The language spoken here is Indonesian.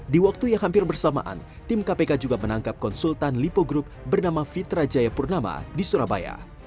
di waktu yang hampir bersamaan tim kpk juga menangkap konsultan lipo group bernama fitra jayapurnama di surabaya